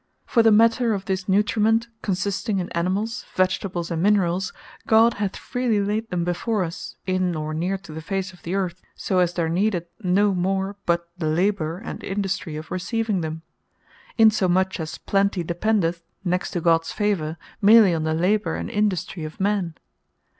For the Matter of this Nutriment, consisting in Animals, Vegetals, and Minerals, God hath freely layd them before us, in or neer to the face of the Earth; so as there needeth no more but the labour, and industry of receiving them. Insomuch as Plenty dependeth (next to Gods favour) meerly on the labour and industry of men.